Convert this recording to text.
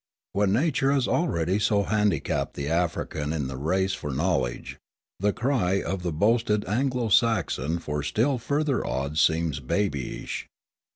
When nature has already so handicapped the African in the race for knowledge, the cry of the boasted Anglo Saxon for still further odds seems babyish.